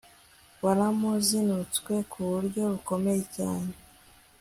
waramuzinutswe kuburyo bukomeye cyane